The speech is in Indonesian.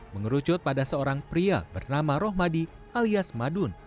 mengerucut pada seorang pria bernama rohmadi alias madun